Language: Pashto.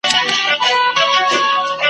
نه غماز راته دېره وي نه سهار سي له آذانه !.